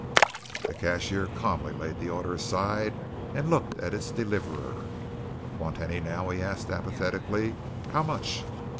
The cashier calmly laid the order aside and looked at its deliverer. "Want any now?" he asked apathetically. "How much?"